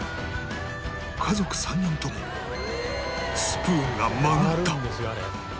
家族３人共スプーンが曲がった